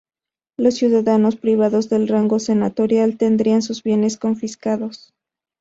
Los ciudadanos privados de rango senatorial, tendrían sus bienes confiscados.